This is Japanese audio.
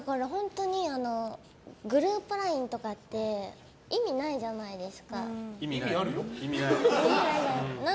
グループＬＩＮＥとかって意味ないじゃないですか。